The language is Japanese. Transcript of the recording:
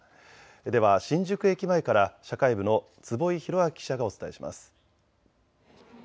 では新宿駅前から社会部の坪井宏彰記者がお伝えします。